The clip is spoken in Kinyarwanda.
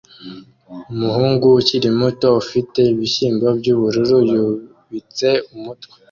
Umuhungu ukiri muto ufite ibishyimbo byubururu yubitse umutwe